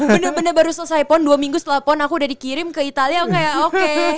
bener bener baru selesai pon dua minggu setelah pon aku udah dikirim ke italia aku kayak oke